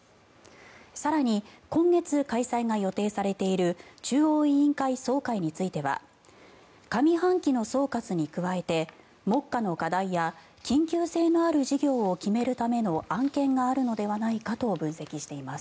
更に、今月開催が予定されている中央委員会総会については上半期の総括に加えて目下の課題や緊急性のある事業を決めるための案件があるのではないかと分析しています。